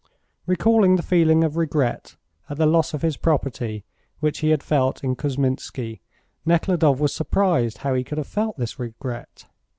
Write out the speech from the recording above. Recalling the feeling of regret at the loss of his property which he had felt in Kousminski, Nekhludoff was surprised how he could have felt this regret.